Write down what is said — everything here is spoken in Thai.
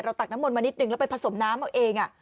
ตักน้ำมนต์มานิดนึงแล้วไปผสมน้ำเอาเอง